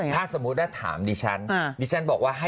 เขาถามคุณแม่ว่า